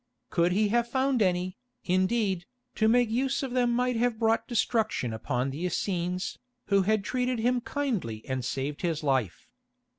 Could he have found any, indeed, to make use of them might have brought destruction upon the Essenes, who had treated him kindly and saved his life.